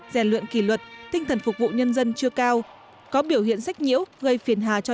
rèn luyện kỷ luật tinh thần phục vụ nhân dân chưa cao có biểu hiện sách nhiễu gây phiền hà cho